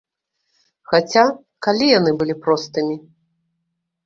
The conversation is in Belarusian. Хаця, калі яны былі простымі!